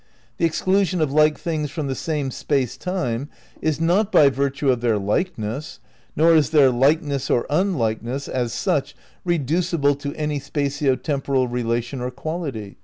The exclusion of like things from the same Space Time is not by virtue of their likeness, nor is their likeness (or unlikeness), as such, reducible to any spatio temporal relation or quality.